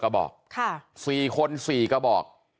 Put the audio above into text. คนละก็บอก๔คน๔ก็บอก